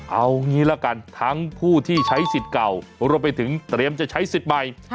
เอางี้ละกันทั้งผู้ที่ใช้สิทธิ์เก่ารวมไปถึงเตรียมจะใช้สิทธิ์ใหม่